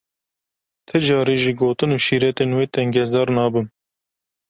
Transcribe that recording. Ti carî ji gotin û şîretên wê tengezar nabim.